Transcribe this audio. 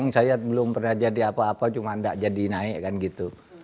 saya belum pernah jadi apa apa cuma tidak jadi naik kan gitu